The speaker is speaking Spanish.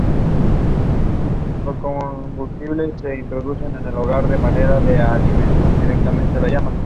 Juntos tuvieron a Celia.